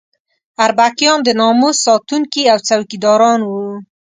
اربکیان د ناموس ساتونکي او څوکیداران وو.